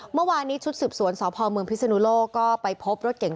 เมื่อวานนี้ชุดสืบสวนสพเมืองพิศนุโลกก็ไปพบรถเก่ง